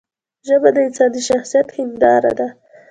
ژبه د انسان د شخصیت هنداره ده